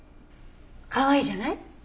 かわいいじゃない。